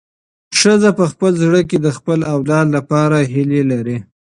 ښځه په خپل زړه کې د خپل اولاد لپاره هیلې لري.